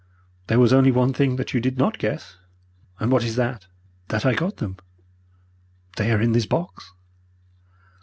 "'There was only one thing that you did not guess.' "'And what is that?' "'That I got them. They are in this box.'